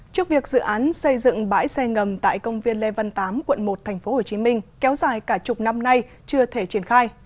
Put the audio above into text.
trước việc dự án xây dựng bãi xe ngầm tại công viên lê văn tám quận một tp hcm kéo dài cả chục năm nay chưa thể triển khai